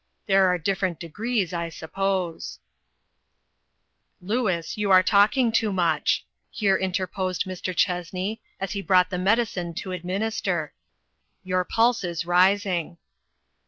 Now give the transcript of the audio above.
There are different degrees, I suppose." 406 INTERRUPTED. "Louis, you are talking too much," here interposed Mr. Chessney, as he brought the medicine to administer ;" your pulse is rising."